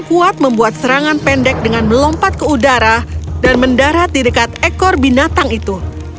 kuat membuat serangan pendek dengan melompat ke udara dan mendarat di dekat ekor binatang itu